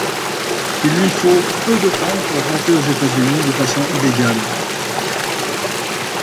Il lui faut peu de temps pour rentrer aux États-Unis de façon illégale.